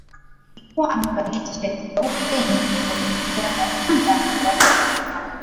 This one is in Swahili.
alikuwa amevalia tisheti nyeupe yenye nembo ya bendera ya Rwanda na Baraza la Vyama